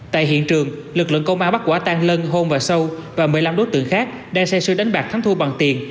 tại hiện trường lực lượng công an bắt quả tăng lân hôn và sâu và một mươi năm đối tượng khác đang xe sư đánh bạc thắng thu bằng tiền